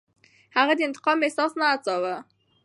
هغه د انتقام احساس نه هڅاوه.